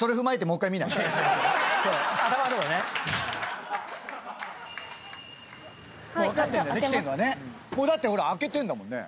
もうだって開けてんだもんね。